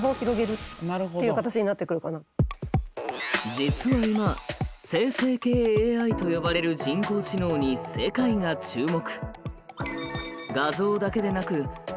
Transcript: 実は今「生成系ＡＩ」と呼ばれる人工知能に世界が注目。